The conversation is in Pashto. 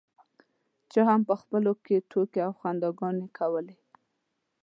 چا هم په خپلو کې ټوکې او خنداګانې کولې.